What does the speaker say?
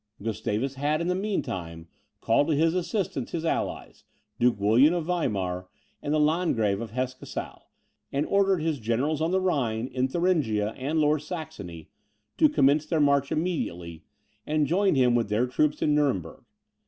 Gustavus had, in the mean time, called to his assistance his allies, Duke William of Weimar, and the Landgrave of Hesse Cassel; and ordered his generals on the Rhine, in Thuringia and Lower Saxony, to commence their march immediately, and join him with their troops in Nuremberg.